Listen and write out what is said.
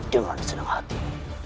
jangan diseneng hati